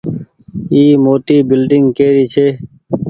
اي موٽي بلڌنگ ڪيري ڇي۔